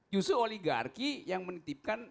justru oligarki yang menitipkan